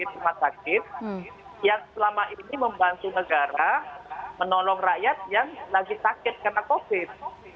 di rumah sakit yang selama ini membantu negara menolong rakyat yang lagi sakit karena covid